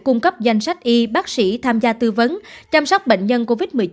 cung cấp danh sách y bác sĩ tham gia tư vấn chăm sóc bệnh nhân covid một mươi chín